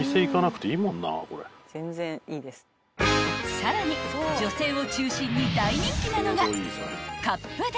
［さらに女性を中心に大人気なのが］